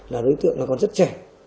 là đối tượng còn rất trẻ